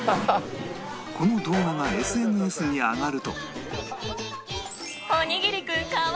この動画が ＳＮＳ に上がると